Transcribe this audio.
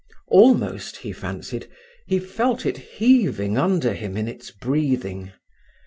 Almost, he fancied, he felt it heaving under him in its breathing.